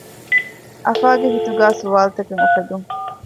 އަފާގެ ހިތުގައި ސްވާލުތަކެއް އުފެދުން